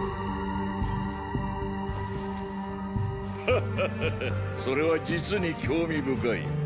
ハッハハハそれは実に興味深い。